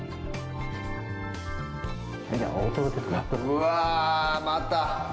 うわぁ、また。